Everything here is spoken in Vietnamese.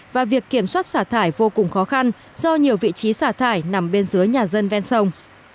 và việc kiểm soát xả thải vô cùng khó khăn do nhiều vị trí xả thải nằm bên dưới nhà dân ven sông